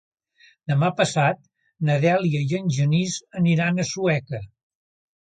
Demà passat na Dèlia i en Genís aniran a Sueca.